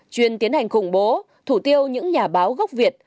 chuyên tiến hành khủng bố thủ tiêu những nhà báo gốc việt